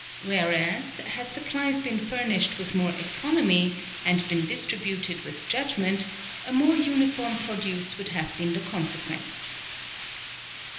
Whereas, had supplies been furnished with more economy, and been distributed with judgment, a more uniform produce would have been the consequence.